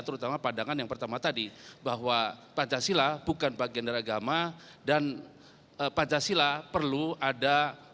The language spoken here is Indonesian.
terutama pandangan yang pertama tadi bahwa pancasila bukan bagian dari agama dan pancasila perlu ada